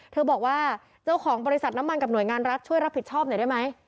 บอกว่าเจ้าของบริษัทน้ำมันกับหน่วยงานรัฐช่วยรับผิดชอบหน่อยได้ไหม